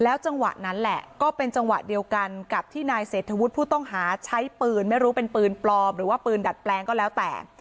จังหวะนั้นแหละก็เป็นจังหวะเดียวกันกับที่นายเศรษฐวุฒิผู้ต้องหาใช้ปืนไม่รู้เป็นปืนปลอมหรือว่าปืนดัดแปลงก็แล้วแต่